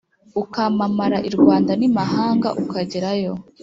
ukamamara i rwanda n'i mahanga ukagerayo